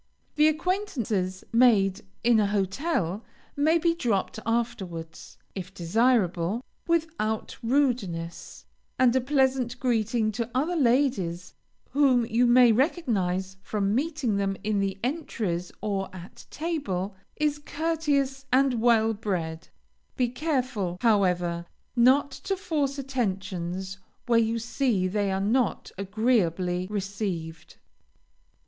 The acquaintances made in a hotel may be dropped afterwards, if desirable, without rudeness, and a pleasant greeting to other ladies whom you may recognize from meeting them in the entries or at table, is courteous and well bred; be careful, however, not to force attentions where you see they are not agreeably received.